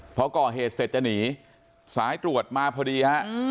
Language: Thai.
พอก่อเหตุเสร็จจะหนีสายตรวจมาพอดีฮะ